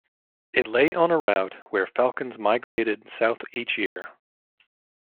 It lay on a route where falcons migrated south each year.